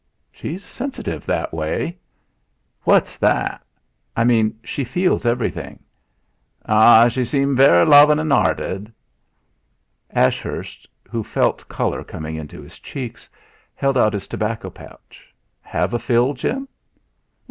"She's sensitive, that's why." "What's that?" "I mean, she feels everything." "Ah! She'm very lovin' '.arted." Ashurst, who felt colour coming into his cheeks, held out his tobacco pouch. "Have a fill, Jim?"